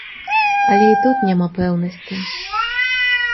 Але і тут няма пэўнасці.